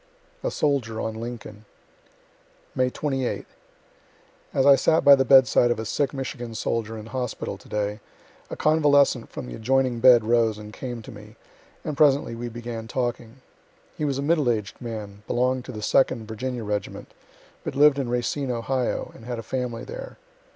A SOLDIER ON LINCOLN May 28. As I sat by the bedside of a sick Michigan soldier in hospital to day, a convalescent from the adjoining bed rose and came to me, and presently we began talking. He was a middleaged man, belonged to the 2d Virginia regiment, but lived in Racine, Ohio, and had a family there.